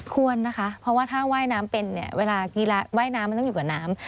ควรนะคะเพราะว่าถ้าว่ายน้ำเป็นเนี่ยเวลากีฬาว่ายน้ำมันต้องอยู่กับน้ำ